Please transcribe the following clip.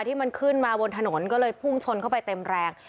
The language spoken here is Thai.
ที่มันขึ้นมาบนถนนก็เลยพุ่งชนเข้าไปเต็มแรง